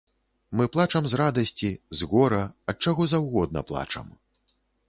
Мы плачам з радасці, з гора, ад чаго заўгодна плачам.